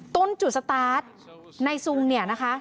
ต้นจุดสตาร์ทนายซุงเนี่ยนะคะ